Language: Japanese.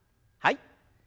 はい。